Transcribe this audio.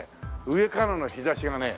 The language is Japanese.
上からの日差しがね